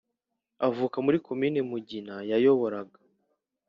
Avuka muri Komine Mugina yayoboraga.